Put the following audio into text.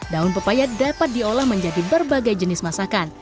daun pepaya dapat diolah menjadi berbagai jenis masakan